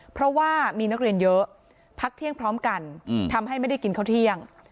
เพราะว่ามีนักเรียนเยอะพักเที่ยงพร้อมกันทำให้ไม่ได้กินข้าวเที่ยง